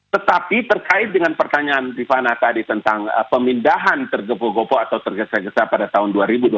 tetapi terkait dengan pertanyaan rifana tadi tentang pemindahan tergepo gepo atau tergesa gesa pada tahun dua ribu dua puluh